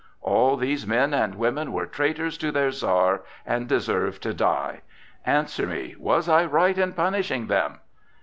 All these men and women were traitors to their Czar, and deserved to die. Answer me, was I right in punishing them?"